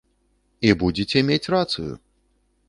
І будзеце мець рацыю.